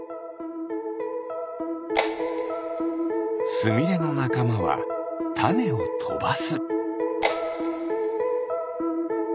スミレのなかまはたねをとばす。